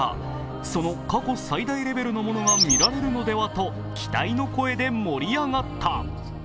その過去最大レベルのものが見られるのではと、期待の声で盛り上がった。